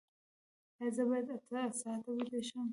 ایا زه باید اته ساعته ویده شم؟